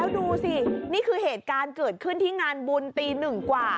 แล้วดูสินี่คือเหตุการณ์เกิดขึ้นที่งานบุญตีหนึ่งกว่า